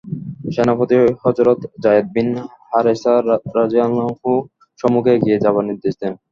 সেনাপতি হযরত যায়েদ বিন হারেসা রাযিয়াল্লাহু আনহু সম্মুখে এগিয়ে যাবার নির্দেশ দেন।